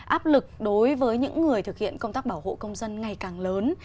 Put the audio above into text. áp lực đối với những người thực hiện công tác bảo hộ công dân ngày càng lớn